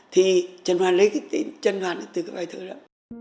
thì trần hoàn lấy cái tên trần hoàn từ cái bài thơ đó